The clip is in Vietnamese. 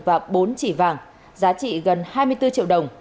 và bốn chỉ vàng giá trị gần hai mươi bốn triệu đồng